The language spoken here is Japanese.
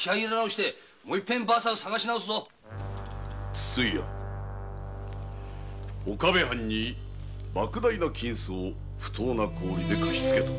筒井屋岡部藩にばく大な金子を不当な高利で貸し付けたな？